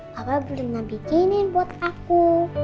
papa pernah bikinin buat aku